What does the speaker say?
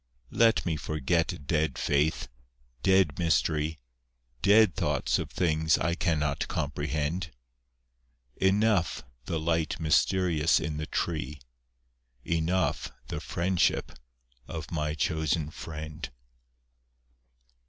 Let me forget dead faith, dead mystery, Dead thoughts of things I cannot comprehend. Enough the light mysterious in the tree, Enough the friendship of my chosen friend.